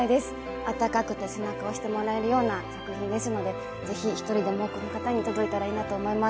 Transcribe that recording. あったかくて背中を押してもらえるような作品ですのでぜひ一人でも多くの方に届いたらいいなと思います。